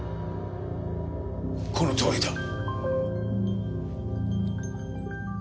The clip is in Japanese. このとおりだ。